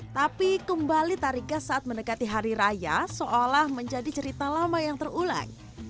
tapi kembali tarika saat mendekati hari raya seolah menjadi cerita lama yang terulang